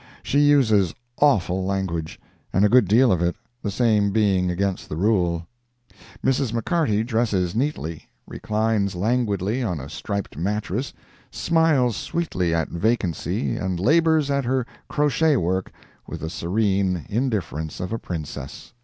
She uses "awful" language, and a good deal of it, the same being against the rule. Mrs. McCarty dresses neatly, reclines languidly on a striped mattress, smiles sweetly at vacancy, and labors at her "crochet work" with the serene indifference of a princess.